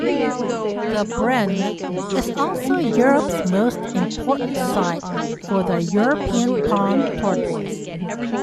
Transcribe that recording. The Brenne is also Europe's most important site for the European pond tortoise.